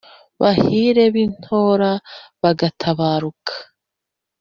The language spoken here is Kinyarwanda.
bahire b’i ntora bagatabaruka.